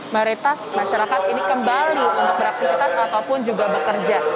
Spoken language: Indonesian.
mayoritas masyarakat ini kembali untuk beraktivitas ataupun juga bekerja